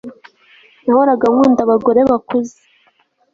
Nahoraga nkunda abagore bakuze